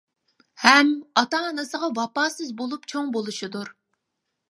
ھەم ئاتا-ئانىسىغا ۋاپاسىز بولۇپ چوڭ بولۇشىدۇر.